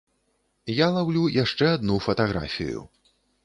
Я лаўлю яшчэ адну фатаграфію.